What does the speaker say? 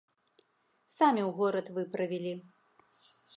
Самі ў горад выправілі.